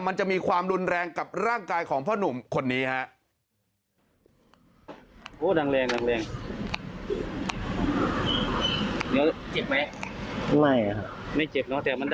มันจะมีความรุนแรงกับร่างกายของพ่อหนุ่มคนนี้ครับ